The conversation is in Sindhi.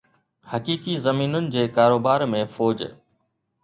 حقيقي زمينن جي ڪاروبار ۾ فوج